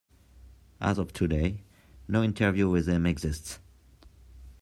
As of today, no interview with him exists.